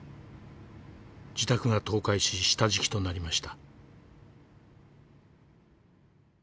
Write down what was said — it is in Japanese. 自宅が倒壊し下敷きとなりました。